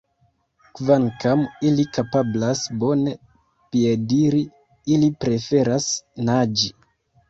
Kvankam ili kapablas bone piediri, ili preferas naĝi.